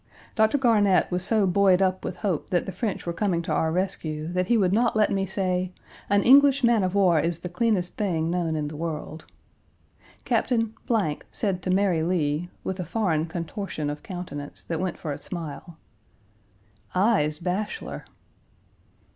Doctor Garnett was so buoyed up with hope that the French were coming to our rescue, that he would not let me say "an English man of war is the cleanest thing known in the world." Captain said to Mary Lee, with a foreign contortion of countenance, that went for a smile, "I's bashlor."